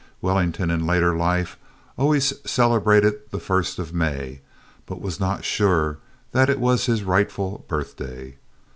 Wellington in later life always celebrated the first of May, but was not sure that it was his rightful birthday.